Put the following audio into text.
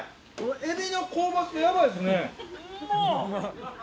エビの香ばしさヤバいですね。